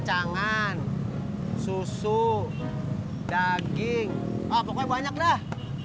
tangan susu daging pokoknya banyak dah